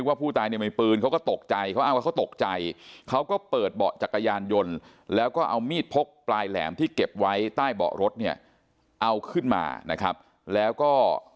ว่าเขาตกใจเขาก็เปิดเบาะจักรยานยนต์แล้วก็เอามีดพลโคจรปลายแหลมที่หินไว้ใต้เบาะรถเนี่ยเอาขึ้นมานะครับแล้วก็